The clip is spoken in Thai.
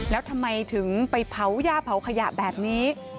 แล้วทำไมถึงไปเผาย่าเผาขยะแบบนี้